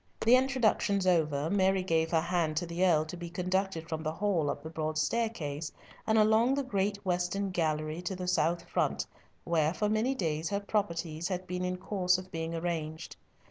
The introductions over, Mary gave her hand to the Earl to be conducted from the hall up the broad staircase, and along the great western gallery to the south front, where for many days her properties had been in course of being arranged.